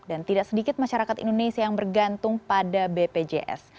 dan tidak sedikit masyarakat indonesia yang bergantung pada bpjs